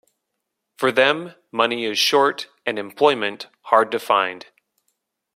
For them, money is short and employment hard to find.